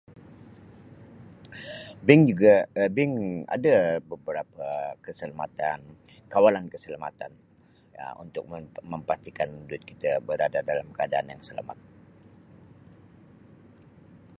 Bank juga Um bank ada beberapa keselamatan kawalan keselamatan Um untuk men-mempastikan duit kita berada dalam keadaan yang selamat.